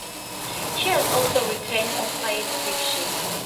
She has also written on science fiction.